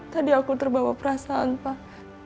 tadi aku terbawa perasaan pak